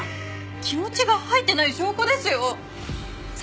気持ちが入ってない証拠ですよ！